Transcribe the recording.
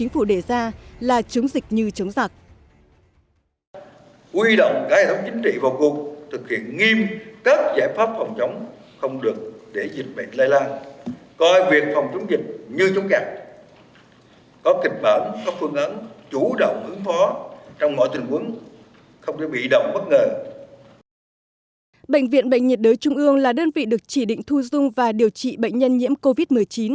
bệnh viện bệnh nhiệt đới trung ương là đơn vị được chỉ định thu dung và điều trị bệnh nhân nhiễm covid một mươi chín